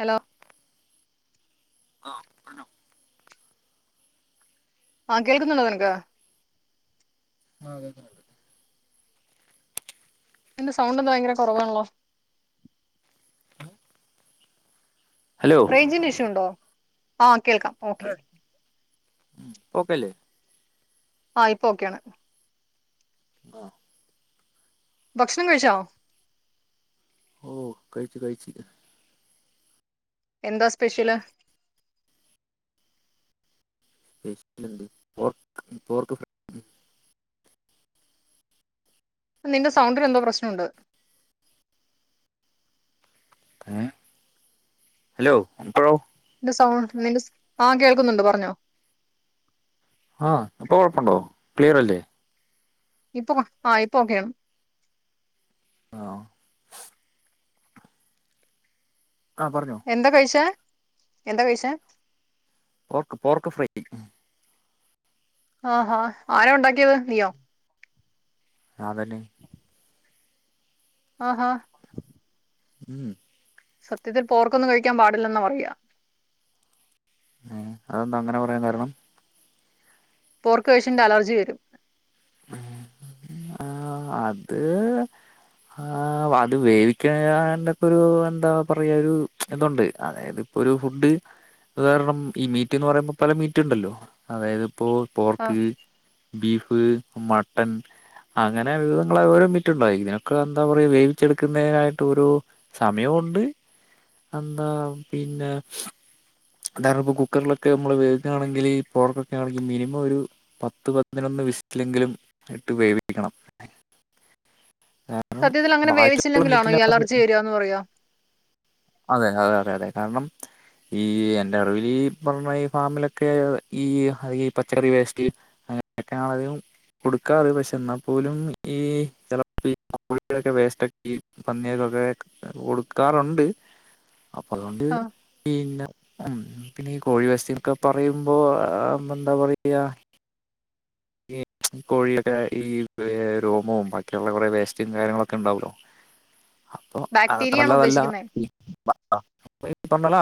Hello ആഹ് പറഞ്ഞോ. ആഹ് കേൾക്കുന്നുണ്ടോ നിനക്ക്? ആഹ് കേക്ന്നുണ്ട്. നിന്റെ സൗണ്ട് എന്താ ഭയങ്കര കൊറവാണല്ലോ. ഹലോ റേഞ്ചിൻ്റെ ഇഷ്യൂ ഉണ്ടോ? ആഹ് കേൾക്കാം ഓക്കേ. ഇപ്പോ ഓക്കെല്ലേ? ആഹ് ഇപ്പൊ ഓക്കെയാണ്. ആഹ് ഭക്ഷണം കഴിച്ചോ? ഓഹ് കഴിച്ച് കഴിച്ച്. എന്താ സ്പെഷ്യല്? സ്പെഷല്ണ്ട് പോർക്ക് പോർക്ക്‌ ഫ്രൈ നിന്റെ സൗണ്ട്നെന്തോ പ്രശ്നണ്ട്. ഏഹ്. ഹലോ ഇപ്പഴോ? നിന്റെ സൗണ്ട് നിന്റെ സ് ആഹ് കേൾക്കുന്നുണ്ട് പറഞ്ഞോ. ആഹ് ഇപ്പൊ കൊഴപ്പണ്ടോ, ക്ലിയറല്ലേ. ഇപ്പൊ ആഹ് ഇപ്പൊക്കെയാണ് ആഹ് ആ പറഞ്ഞോ എന്താ കഴിച്ചേ എന്താ കഴിച്ചേ പോർക്ക് പോർക്ക് ഫ്രൈ ആഹാ ആരാ ഉണ്ടാക്കിയത് നീയോ ഞാതന്നെ ആഹാ ഉം സത്യത്തിൽ പോർക്കൊന്നു കഴിക്കാ പാടില്ലെന്നാ പറയ എഹ് അതെന്താ അങ്ങനെ പറയാൻ കാരണം പോർക്ക് കഴിച്ചന്റെ അലർജി വരും [inaudible] ആഹ് അത് ആഹ് അത് വേവിക്കന്റെക്കെരു എന്താ പറയ ഒരു ഇതുണ്ട് അതായത് പ്പൊ ഒരു ഫുഡ് ഉദാഹരണം ഈ മീറ്റ് എന്ന് പറയുമ്പോ പല മീറ്റ് ഉണ്ടല്ലോ അതായതിപ്പോ ആ പോർക്ക് ബീഫ് മട്ടൺ അങ്ങനെ വിവികങ്ങളെ ഓരോ മിറ്റുണ്ടോ ഇതിനൊക്കെ എന്താ പറയാ വേവിച്ചെടുക്കുന്നതിനായിട്ട് ഒരു സമയവുണ്ട് എന്താ പിന്നെ അ [unintelligible] പ്പോ കുക്കറിലൊക്കെ മ്മള് വേകുകയാണെങ്കില് പോർക്കൊക്കെ ആണെങ്കി മിനിമ ഒരു പത്ത് പതിനൊന്ന് വിസിലെങ്കിലും ഇട്ട് വേവിക്കണം രണം സത്യത്തിൽ അങ്ങനെ മാറ്റ വേവിച്ചില്ലെങ്കിലാണോ ഈ അലർജി [unintelligible] വരിക എന്ന് പറയാ അതെ അതെ അതെ അതെ കാരണം ഈ എന്റെ അറിവില് ഈ പറഞ്ഞ ഈ ഫാമിലൊക്കെ ഈ ഈ പച്ചറി വേസ്റ്റ് അങ്ങനെയെക്കെയണതികം കൊടുക്കാറ് പക്ഷെ എന്നാ പോലും ഈ ഇ കോഴികളൊക്കെ വേസ്റ്റക്കി പന്നിയെകൊക്കെ കൊടുക്കാറുണ്ട് അപ്പളാണ്ട് ആ പിന്നെ ഉം പിന്നെ ഈ കോഴി വെസ്തോക്കെ പറയുമ്പോ എന്താ പറയാ കോഴിയുടെ ഈ രോമവും ബാക്കിയുള്ള കുറെ വേസ്റ്റും കാര്യങ്ങളൊക്കെ ഉണ്ടാവലോ അപ്പൊ ബാക്ടീരിയ ആണ് അതത്രല്ലതല്ല ഉദ്ദേശിക്കുന്നത് [unintelligible] പറണല്ല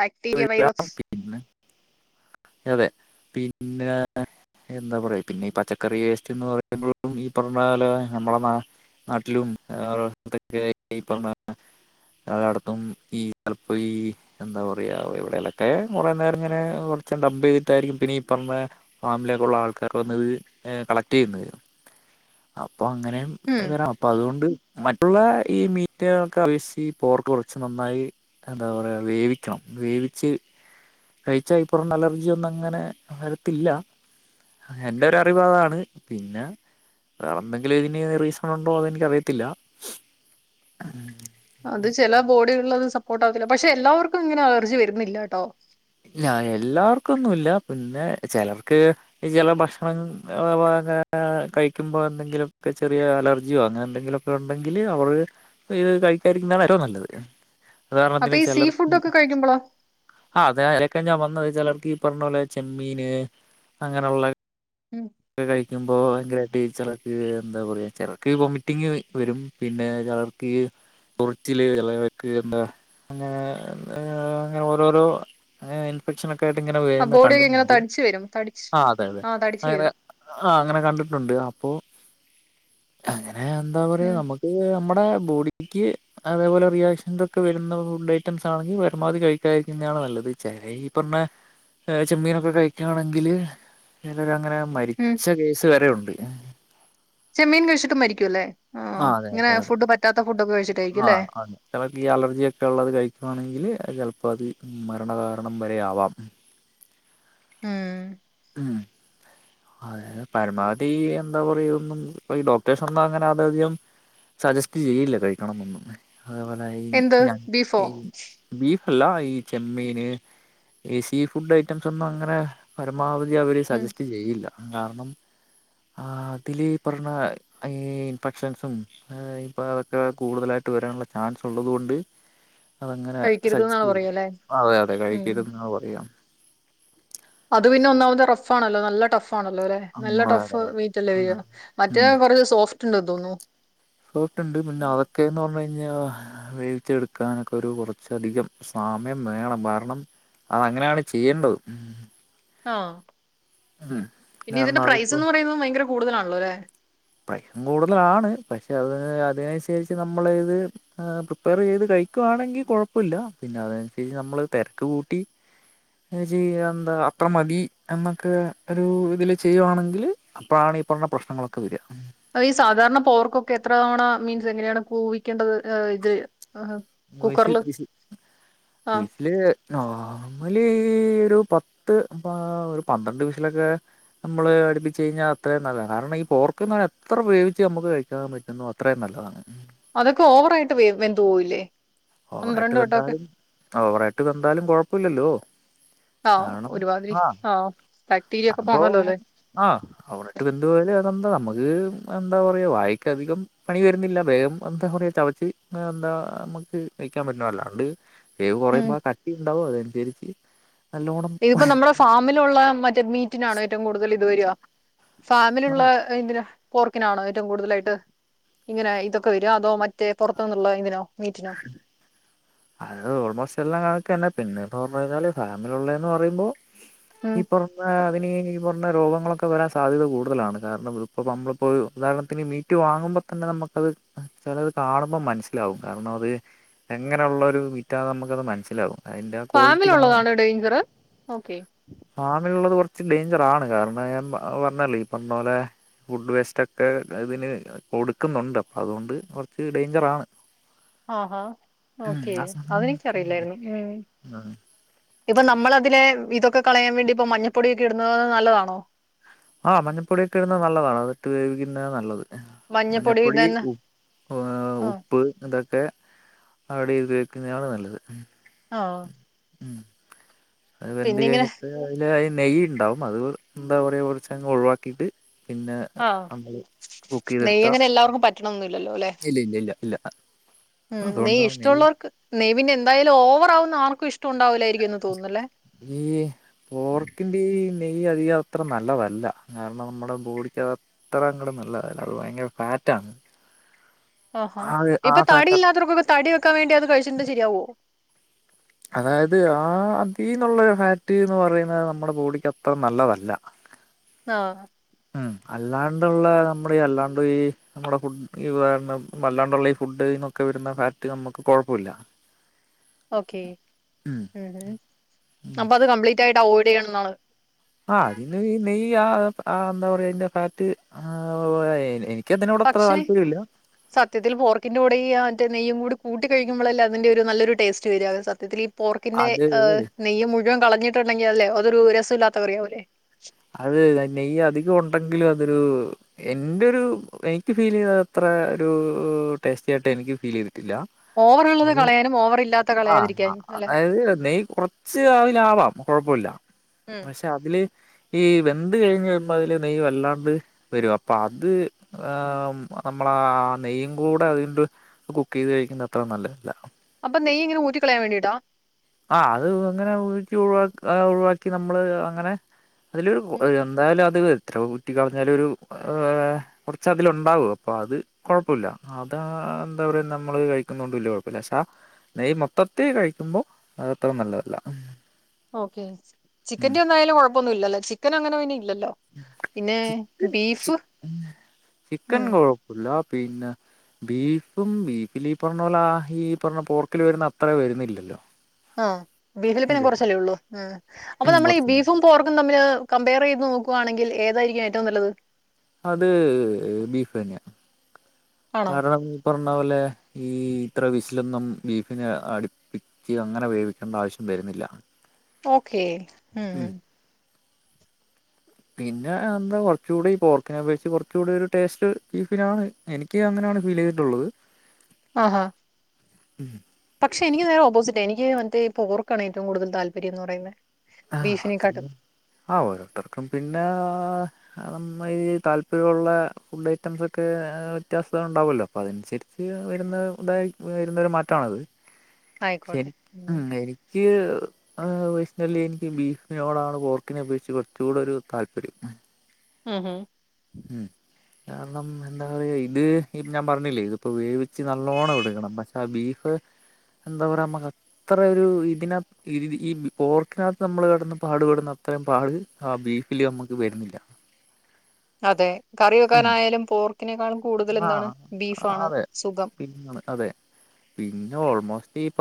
ബാക്ടീരിയ വൈറസ് അതെ പിന്നെ എന്താ പറയാ പിന്നെ പ പച്ചക്കറി വേസ്റ്റ്ന്ന് പറയുമ്പോഴും ഈ പറഞ്ഞല നമ്മള നാട്ടിലും വടെ അട്ത്തൊക്കെ ഈ പറഞ്ഞ ളടത്തും ഈ തലപ്പോ ഈ എന്താ പറയാ എവിടെലൊക്കെ കുറേ നേരങ്ങനെ കൊറച്ച് ഡബ് ചെയ്തിട്ടായിരിക്കു പിന്നെ ഈ പറഞ്ഞ ഫാമിലേക്കുള്ള ആൾക്കാര് വന്നത് എഹ് കളക്ടെയ്യുന്നത് അപ്പൊ അങ്ങനെ ഉം ഇവരാ അപ്പ അതുകൊണ്ട് മറ്റുള്ള ഈ മീറ്റെലോക്ക അപേക്ഷിച്ച് പോർക്ക് കുറച്ച് നന്നായി അതാ പറയാ വേവിക്കണം വേവിച്ച് കഴിച്ചൽപ്പറുള്ള അലർജിയോന്നങ്ങനെ വരത്തില്ല എന്റെരറിവാതാണ് പിന്നെ വേറെന്തെങ്കിലു ഇതിന് റീസൺ ഉണ്ടോ അതെനിക്കറിയത്തില്ല [unintelligible] അത് ചില ബോഡികളിലത് സപ്പോർട്ട് ആവത്തില്ല പക്ഷെ എല്ലാവർക്കും ഇങ്ങനെ അലർജി വരുന്നില്ലട്ടോ ഇല്ല എല്ലാവർക്കും ന്നുല്ല പിന്നെ ചെലർക്ക് ഈ ചില ഭക്ഷണം [unintelligible] കഴിക്കുമ്പോ എന്തെങ്കിലുക്കെ ചെറിയ അലർജിയോ അങ്ങനെ എന്തെങ്കിലും ഉണ്ടെങ്കിൽ അവര് ഇത് കഴിക്കാരിക്കുന്നതാണ് ഏറ്റവും നല്ലത് ഉദാരണത്തിന് ചിലർ കഴിക്കുമ്പളോ ക്കെ ഞാൻ വന്ന് ചെയ്ച്ചാൽ ഈ പറഞ്ഞ പോലെ ചെമ്മീന് അങ്ങനെയുള്ള ഉം ഒക്കെ കഴിക്കുമ്പോ ഭയങ്കരമായിട്ട് ചിലർക്ക് എന്താ പറയാ ചിലർക്ക് വൊമിറ്റിങ് വരും പിന്നെ ചിലർക്ക് [unintelligible] തുറിച്ചില് ഇള വെക്ക് എന്താ അങ്ങനെ അങ്ങനെ ഓരോരോ അങ്ങനെ ഇൻഫെക്ഷൻ ഒക്കെ ആയിട്ട് ഇങ്ങനെ ആ വുന്ന ബോഡിയൊക്കെ ഇങ്ങനെ കണ്ടിട്ടുണ്ട് തടിച്ചു വരും തടിച്ച് ആ അതെ അതെ തടിച്ചു അങ്ങനെ വരും ആ അങ്ങനെ കണ്ടിട്ടുണ്ട് അപ്പോ അങ്ങനെ എന്താ പറയാ ഉം നമുക്ക് ഹേ ഞമ്മടെ ബോഡിക്ക് അതേപോലെ റിയാക്ഷൻസൊക്കെ വരുന്ന ഫുഡഐറ്റംസാണെങ്കിൽ പരമാവധി കഴിക്കാതിരിക്കുന്നതാണ് നല്ലത് ചെല ഈ പർഞ്ഞ അഹ് ചെമ്മീനൊക്കെ കഴിക്കാണെങ്കില് ചെലരങ്ങനെ ഉം മരിച്ച കേസ് വരെ ഉണ്ട് ചെമ്മീൻ കഴിച്ചിട്ട് മരിക്കുംല്ലേ ആഹ് ആ അതെ ങ്ങനെ അതെ ഫുഡ് പറ്റാത്ത ഫുഡൊക്കെ കയ്ച്ചിട്ടായിരിക്കുംല്ലേ ചെലർക്ക് ഈ അലർജിയൊക്കെള്ളത് കഴിക്കുവാണെങ്കില് അത് ചെലപ്പോത് മരണ കാരണം വരെ ആവാം മ്മ് മ്മ് അതെന്നെ പരമാവധീ എന്താ പറയാതൊന്നും ഈ ഡോക്ടേഴ്സൊന്നും ങ്ങനെതധികം സജസ്റ്റ് ചെയ്യില്ല കഴിക്കണംന്നൊന്നും അതെപോലെ ഈ എന്ത് ഞ ബീഫോ ഇ ബീഫല്ല ഈ ചെമ്മീന് ഈ സീ ഫുഡൈറ്റംസൊന്നുങ്ങനെ പരമാവധിയവര് ഉം സജസ്റ്റ് ചെയ്യില്ല കാരണം അതില് ഈ പർഞ്ഞ അയീ ഇൻഫക്ഷൻസും ഈപ്പതൊക്കെ കൂടുതലായിട്ട് വരാൻള്ള ചാൻസുള്ളത്കൊണ്ട് അതങ്ങനെ കഴിക്കരുത് സജസ്റ്റ് എന്നാണ് ചെയില്ല പറയുക അല്ലേ അതെ അതെ ഉം കയ്ക്കര്ത് ന്നാപറയാ അത് പിന്നൊന്നാമത് റഫാണല്ലോ നല്ല ടഫാണല്ലോലെ നല്ല അതെ അതെ ടഫ് അതെ ഉം മീറ്റല്ലേവെര മറ്റേ ഉം കൊർച്ച് സോഫ്റ്റ്ണ്ട്ന്ന് തോന്നുന്നു സോഫ്റ്റ്ണ്ട് ഉം. പിന്നതൊക്കേന്ന് പറഞ്ഞ് കയ്ഞ്ഞാൽ അഹ് വേവിച്ചെടുക്കാനൊക്കൊരു കൊറച്ചധികം സമയം വേണം കാരണം അത് അങ്ങനെണ് ചെയ്യേണ്ടത് മ്മ് മ്മ് ആഹ് പിന്നതിന്റെ കാരണം അതിപ്പോ പ്രൈസന്ന് പറയുന്നതും ഭയങ്കര കൂടുതലാണല്ലോല്ലേ പ്രൈസും കൂടുതലാണ് പക്ഷെ അത് അതിനനുസരിച്ച് നമ്മള് ഇത് അഹ് പ്രിപ്പേർ ചെയ്ത് കഴിക്കുവാണെങ്കില് കൊഴപ്പല്ല പിന്നെ അതൻസരിച്ച് നമ്മള് തെരക്ക് കൂട്ടി ച്ചത് ന്താ അത്രമതി എന്നൊക്കെ ഒരു ഇതില് ചെയ്യുവാണെങ്കില് അപ്പാളാണ് ഈ പറഞ്ഞ പ്രശ്നങ്ങളൊക്കെ വെര അപ്പ ഈ സാധാരണ പോർകൊക്കെ എത്ര തവണ മീൻസ് എങ്ങനെയാണ് കൂവിക്കേണ്ടത് അഹ് ഇത്? അ ആ വിസിൽ കുക്കർല് ആഹ് നോർമലീ ഒരു പത്ത്പ ഒരു പന്ത്രണ്ട് വിസിലൊക്കെ നമ്മള് അടുപ്പിച്ച് കഴിഞ്ഞാൽ അത്രയും നല്ലാണ് കാരണം ഈ പോർക്ക്ന്ന് പറഞ്ഞൽ എത്ര വേവിച്ച് നമ്ക്ക് കഴിക്കാൻ പറ്റുന്നോ അത്രയും നല്ലതാ. അഹ് അതക്കെ ഓവറായിട്ട് വെ വെന്തോവില്ലേ ഓവറായിട്ട് വെന്താലും ഓവറായിട്ട് വെന്താലും കൊഴപ്പല്ലല്ലോ ആ കാരണം ഒരുമാതിരി ആഹ് ആ ബാക്ടീരിയ ഒക്കെ അപ്പോ പോണല്ലോ അല്ലേ ആഹ് ഓവറായിട്ട് വെന്തു പോയാല് തെന്താ നമുക്ക് എന്താ പറയാ വായക്ക് അധികം പണി വെരുന്നില്ല വേഗം എന്താ പറ ചവ എന്താ അമ്മക്ക് കഴിക്കാപറ്റുവല്ലാണ്ട് വേവ് ഉം കൊറയുമ്പ ആ കട്ടിണ്ടാവും അതനുസരിച്ച് നല്ലോണം ഇതിപ്പോ നമ്മടെ ഫാമിലുള്ള മറ്റേ മീറ്റിനാണോ ഏറ്റവും കൂടുതൽ ഇത് വെര ഫാമിലുള്ള ആ ഇതിന് പോർക്കിനാണോ ഏറ്റവും കൂടുതലായിട്ട് ഇങ്ങനെ ഇതൊക്കെ വെര അതോ മറ്റേ പൊറത്തൂന്നുള്ള ഇതിനോ മീറ്റിനോ? അത് ഓൾമോസ്റ്റ് എല്ലാം കണക്കെന്നെ പിന്നെപ്പോന്ന് പറഞ്ഞുകയ്ഞ്ഞാല് ഫാമിലുള്ളേന്ന് പറയുമ്പോ ഉം ഇപ്പം ആഹ് അതിന് ഈ പറഞ്ഞ രോഗങ്ങളൊക്കെ വരാൻ സാധ്യത കൂടുതലാണ് കാരണം ഇപ്പ നമ്മള്പ്പോ ഉദാഹരണത്തിന് മീ മീറ്റ് വാങ്ങുമ്പോതന്നെ നമുക്കത് ചെലത് കാണുമ്പോ മനസ്സിലാവും കാരണം അത് എങ്ങനള്ളൊരു മീറ്റാന്ന് നമ്ക്കത് മനസ്സിലാവും അതിന്റെ ആ ക്വാളിറ്റി കാണ ഫാമിലുള്ളതാണോ ഡേയ്ഞ്ചറ് ഓക്കെ ഫാമിലുള്ളത് കൊറച്ച് ഡേയ്ഞ്ചറാണ് കാരണം ഞാൻ അ പർഞ്ഞല്ലേ ഈ പർഞ്ഞ പോലെ ഫുഡ് വേസ്റ്റൊക്കെ ഇതിന് കൊടുക്കുന്ന്ണ്ട് അപ്പം അതോണ്ട് കൊറച്ച് ഡേയ്ഞ്ചറാണ് ആഹാ ഓക്കെ ആ സമയം അതെനിക്കറിയില്ലായിരുന്നു ഉം ഉം ആ ഇപ്പൊ നമ്മളതിനലെ ഇതൊക്കെ കളയാവേണ്ടി ഇപ്പം മഞ്ഞപ്പൊടിയൊക്കെ ഇട്ന്നത് നല്ലതാണോ? ആഹ് മഞ്ഞപ്പൊടിയൊക്കെടുന്നത് നല്ലതാണ് അത്ട്ട് വേവിക്കുന്നതാ നല്ലത് മഞ്ഞപ്പൊടി ഉ ആഹ് ഉപ്പ് എത ഇത് അവിടെ ഉപയോഗിക്കുന്നതാണ് നല്ലത്. ഓഹ് ഉം അത് വരണ്ട് കഴിഞ്ഞിട്ട് അതില് ആ നെയ്യ് ഉണ്ടാവും. അത് എന്താ പറയുക, കുറച്ചങ്ങ് ഒഴിവാക്കിയിട്ട് പിന്നെ ആഹ്. നമ്മള് കുക്ക് ചെയ്തെടുത്ത നെയ്യങ്ങനെ എല്ലാവർക്കും പറ്റണൊന്നുമില്ലല്ലോ. അല്ലെ. ഇല്ല ഇല്ല ഇല്ല ഇല്ല ഉം. അപ്പൊ അതുകൊണ്ടാ നെയ്യ് ഇഷ്ടമുള്ളവർക്ക്, നെയ്യ് എന്തായാലും ഓവർ ആകുന്ന ആർക്കും ഇഷ്ടം ഉണ്ടാവില്ലായിരിക്കുംന്ന് തോന്നൂല്ലേ. ഈ പോർക്കിന്റെ ഈ നെയ്യ് അധികം അത്ര നല്ലതല്ല. കാരണം നമ്മുടെ ബോഡിക്ക് അത്ര അങ്ങട് നല്ലതല്ല. അത് ഭയങ്കര ഫാറ്റാണ്. ആഹാ. ആ ആ ഇപ്പൊ ഫാറ്റ് തടിയില്ലാത്തവർക്കൊക്കെ, തടി വെക്കാൻ വേണ്ടി അത് കഴിച്ചിട്ടുണ്ടെങ്കിൽ ശരിയാവോ അതായത് ആഹ് അതിന്നുള്ള ഫാറ്റ് എന്ന് പറയുന്നത് നമ്മുടെ ബോഡിക്ക് അത്ര നല്ലതല്ല. ആഹ് ഉം അല്ലാണ്ടുള്ള, നമ്മുടെ അല്ലാണ്ട് ഈ നമ്മുടെ ഫുഡ് ഈ വല്ലാണ്ടുള്ള ഈ ഫുഡ്ന്നൊക്കെ വരുന്ന ഫാറ്റ് നമ്മുക്ക് കുഴപ്പമില്ല. ഓക്കേ. അപ്പം അത് കംപ്ലീറ്റ് ആയിട്ട് അവോയ്ഡ് ചെയ്യണം. എന്നാണ് ആഹ്. അതിന് നെയ്യ്, ആഹ് എന്താ പറയാ. അതിന്റെ ഫാറ്റ് എനിക്ക് അതിനോട് അത്ര പക്ഷെ താല്പര്യമില്ല. സത്യത്തിൽ പോർക്കിന്റെ കൂടെ ഈ.. മറ്റേ നെയ്യും കൂടി കൂട്ടി കഴിക്കുമ്പോഴല്ലേ അതിന്റെ ഒരു നല്ലൊരു ടേസ്റ്റ് വര സത്യത്തിൽ ഈ പോർക്കിന്റെ, അത് ഹ, നെയ്യ് മുഴുവൻ കളഞ്ഞിട്ടുണ്ടെങ്കിൽ അല്ലെ അതൊരു രസമില്ലാത്ത കറിയാവുല്ലേ അത് ഈ നെയ്യ് അധികം ഉണ്ടെങ്കില് അതൊരു എന്റൊരു, എനിക്ക് ഫീൽ ചെയ്ത അത്ര ഒരു ടേസ്റ്റി ആയിട്ട് എനിക്ക് ഫീൽ ചെയ്തിട്ടില്ല ഓവറുള്ളത് കളയാനും ഓവർ ഇല്ലാത്ത ആഹ് കളയാതിരിക്കാനും അല്ലെ അതായത് നെയ്യ് കുറ ച്ച് അതിനാവാം കുഴപ്പവില്ല. ഉം പക്ഷെ അതില്, ഈ വെന്ത് കഴിഞ്ഞ് വരുമ്പോ അതില് നെയ്യ് വല്ലാണ്ട് വരും. അപ്പൊ അത് നമ്മളാ നെയ്യും കൂടെ അതിലിട്ട് കുക്ക് ചെയ്ത് കഴിക്കുന്നത് അത്ര നല്ലതല്ല. അപ്പം നെയ്യ് ഇങ്ങന ഊറ്റികളയാൻ വേണ്ടിട്ടാ ആഹ് അത് അങ്ങനെ ഊറ്റി ഒഴിവാക്ക്, ഒഴിവാക്കി നമ്മള് അങ്ങനെ. അതില് എന്തായാലും അത് എത്രോ കുറ്റി കളഞ്ഞാലും ഒരു കൊറച്ച് അതിലുണ്ടാവും. അപ്പം അത് കൊഴപ്പമില്ല. അതാ എന്താ പറയാ നമ്മള് കഴിക്കുന്നോണ്ട് വലിയ കൊ ഴപ്പില്ല. പക്ഷേ നെയ്യ് മൊത്തത്തി കഴിക്കുമ്പൊ അതത്ര നല്ലതല്ല ഓക്കെ. ഉം ചിക്കന്റെ ഒന്നും ആയാലും കൊഴപ്പൊന്നുഇല്ലല്ലോ. ചിക്കന് അങ്ങനെ പിന്നെ ഇല്ലല്ലോ. പിന്നെ ബീഫ് ഉം ഇല്ലാ പിന്നെ ബീഫും, ബീഫിൽ ഈ പറയണ പോലെ, ആഹ് ഈ പറഞ്ഞ പോർക്കിൽ വരുന്ന അത്ര വരുന്നില്ലല്ലോ ആഹ് ബീഫിൽ പിന്നെ ഇല്ലല്ല കൊറച്ചല്ലേ ഉള്ളൂ. ഉം.. അപ്പൊ ഉം നമ്മള് ഈ കുറച്ച് ബീഫും പോർക്കും തമ്മില് കമ്പെയർ ചെയ്ത് നോക്കുവാണെങ്കിൽ ഏതായിരിക്കും ഏറ്റവും നല്ലത്. അത് ബീഫ് തന്നെയാ ആണോ കാരണം ഇപ്പറഞ്ഞ പോലെ, ഈ ഇത്ര വിസിലൊന്നും ബീഫിനെ അടിപ്പി ക്കേ അങ്ങനെ വേവിക്കേണ്ട ആവശ്യം വരുന്നില്ല. ഓക്കെ ഉം പിന്നാ എന്താ കൊറച്ചുകൂടി പോർക്കിനെ അപേക്ഷിച്ച് കൊറച്ച് കൂടി ഒരു ടേസ്റ്റ് ബീഫിനാണ്. എനി ക്ക് അങ്ങനാണ് ഫീലെയ്തിട്ടുള്ളത് ആഹ് ഉം പക്ഷെ, എനിക്ക് നേരെ ഓപ്പോസിറ്റാ. എനിക്ക് മറ്റേ പോർക്കാണ് ഏറ്റവും കൂടുതൽ താല്പര്യോന്ന് പറയുന്നെ ആഹ് ഓക്കെ ആഹ് ഓരോരുത്തർക്കും പിന്നാ അതമ്മയി താല്പര്യോള്ളെ ഫുഡ് ഐറ്റംസൊക്കെ വ്യത്യാസം ഉണ്ടാവുവല്ലൊ അപ്പൊ അതനുസരി ച്ച് വരുന്ന ഇതായി വരുന്നൊരു മാറ്റാണത്. [unintelligible] ഉ ഉം എനിക്ക് ആഹ് വയസല്ലേനി ഈ ബീഫിനോടാണ് പോർക്കിനെ അപേക്ഷിച്ച് കൊറച്ചൂടൊരു താല്പര്യം ഉം ഉം ഉം കാരണം എന്താ പറയുക ഇത് ഞാൻ പറഞ്ഞില്ലേ ഇതിപ്പൊ വേവിച്ച് നല്ലോണം എടുക്കണം പക്ഷെ ആഹ് ബീഫ് എന്താ പറയാ നമ്മക്ക് അത്രൊ ഒരു ഇതിന ഇത് ഈ പോർക്കിനകത്ത് നമ്മള് കെടന്ന് പാട്പെടുന്ന അത്രയും പാട് ആ ബീഫില് നമുക്ക് വരുന്നില്ല അതേ കറി ഉം വെക്കാനായാലും പോർക്കിനെക്കാളും കൂടുതൽ എന്താണ് ആഹ് ബീഫാണ് സുഖം അതെ പിന്ന ഓൾമോസ്റ്റ്ലി പ